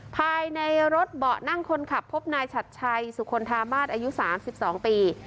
ภายในรถเบาะนั่งคนขับพบนายชัดชัยสุคลธามาศอายุ๓๒ปี